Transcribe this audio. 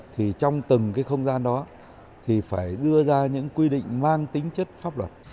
thì trong từng cái không gian đó thì phải đưa ra những quy định mang tính chất pháp luật